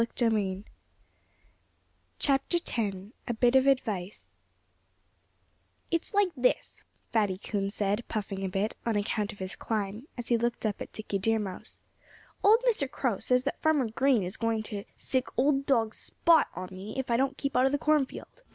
X A BIT OF ADVICE "It's like this," Fatty Coon said, puffing a bit on account of his climb as he looked up at Dickie Deer Mouse. "Old Mr. Crow says that Farmer Green is going to sick old dog Spot on me if I don't keep out of the cornfield."